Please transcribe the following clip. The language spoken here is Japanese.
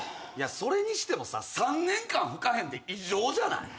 それにしてもさ３年間吹かへんって異常じゃない？